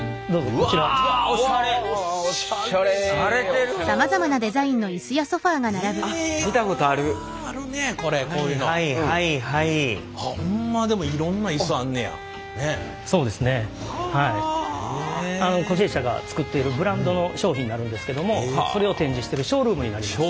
こちら弊社が作っているブランドの商品になるんですけどもそれを展示してるショールームになります。